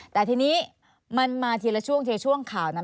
แต่ทีนี้มันมาทีละช่วงทีช่วงข่าวนั้น